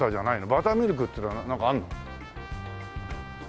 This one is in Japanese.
バターミルクっていうのはなんかあるの？